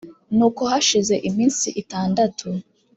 nuko hashize iminsi itandatu